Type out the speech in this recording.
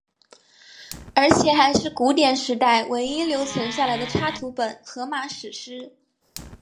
而且还是古典时代唯一留存下来的插图本荷马史诗。